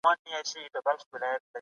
هوا او موسمونه هم اغېز لري.